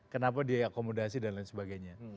kenapa dia akomodasi dan lain sebagainya